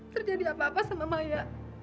terjadi apa apa sama maya